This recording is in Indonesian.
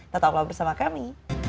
tetap bersama kami